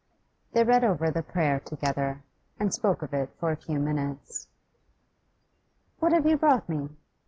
They read over the prayer together, and spoke of it for a few minutes. 'What have you brought me?